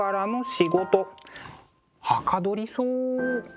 はかどりそう。